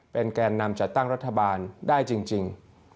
แกนนำจัดตั้งรัฐบาลได้จริง